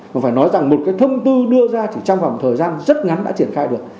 và phải nói rằng một cái thông tư đưa ra chỉ trong vòng thời gian rất ngắn đã triển khai được